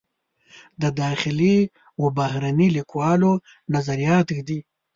د داخلي و بهرني لیکوالو نظریات ږدي.